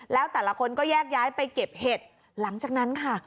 แล้วแต่ละคนก็แยกย้ายไปเก็บเห็ดหลังจากนั้นค่ะ